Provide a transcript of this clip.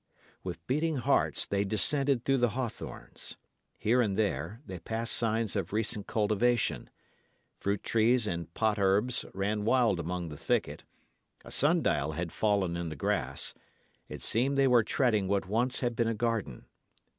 With beating hearts, they descended through the hawthorns. Here and there, they passed signs of recent cultivation; fruit trees and pot herbs ran wild among the thicket; a sun dial had fallen in the grass; it seemed they were treading what once had been a garden.